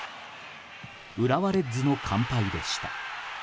浦和レッズの完敗でした。